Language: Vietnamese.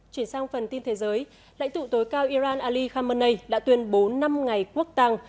chuyển sang phần tin thế giới lãnh tụ tối cao iran ali khamenei đã tuyên bố năm ngày quốc tăng